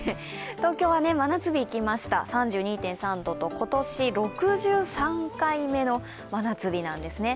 東京は真夏日いきました、３２．３度と今年６３回目の真夏日なんですね。